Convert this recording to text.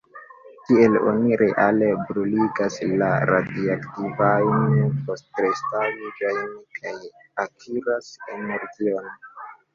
Tiel oni reale bruligas la radioaktivajn postrestaĵojn kaj akiras energion.